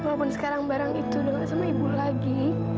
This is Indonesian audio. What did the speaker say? walaupun sekarang barang itu udah gak sama ibu lagi